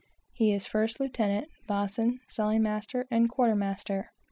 He is first lieutenant, boatswain, sailing master, and quarter master.